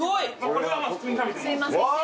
これは普通に食べても。